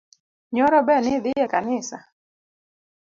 Nyoro be nidhii e kanisa?